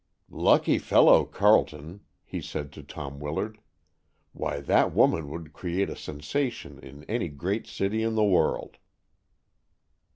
"Lucky fellow, Carleton," he said to Tom Willard. "Why, that woman would create a sensation in any great city in the world."